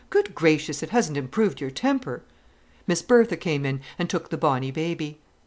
"Good gracious, it hasn't improved your temper." Miss Bertha came in, and took the bonny baby.